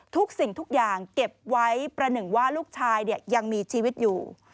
ทุกสิ่งทุกอย่างเก็บไว้ประหนึ่งว่าลูกชายยังมีชีวิตอยู่